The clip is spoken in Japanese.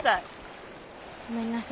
ごめんなさい。